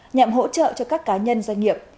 nhậm hỗ trợ cho các cá nhân doanh nghiệp